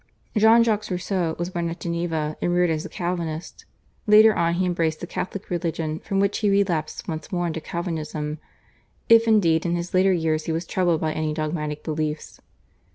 Jean Jacques Rousseau was born at Geneva and reared as a Calvinist. Later on he embraced the Catholic religion, from which he relapsed once more into Calvinism, if indeed in his later years he was troubled by any dogmatic beliefs.